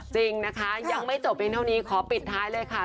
จริงนะคะยังไม่จบเพียงเท่านี้ขอปิดท้ายเลยค่ะ